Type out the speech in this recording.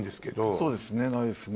そうですねないですね